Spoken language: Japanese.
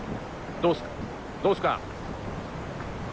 どうっすか？